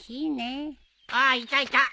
あっいたいた。